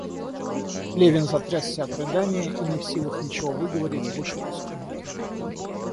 Левин затрясся от рыдания и, не в силах ничего выговорить, вышел из комнаты.